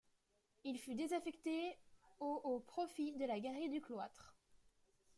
Il fut désaffecté au au profit de la galerie du cloître.